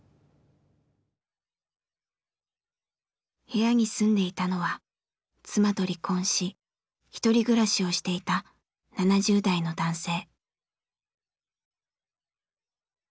部屋に住んでいたのは妻と離婚しひとり暮らしをしていた７０代の男性。